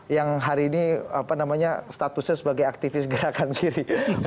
yang hari ini statusnya sebagai aktivis gerakan kiri